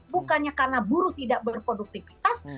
bukannya karena buruh tidak berproduktifitas